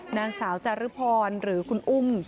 นางสาวจารุพรหรือคุณอุ้ม